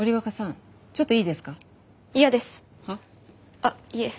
あっいえ。